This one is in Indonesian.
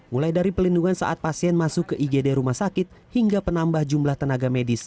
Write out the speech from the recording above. mulai dari pelindungan saat pasien masuk ke igd rumah sakit hingga penambah jumlah tenaga medis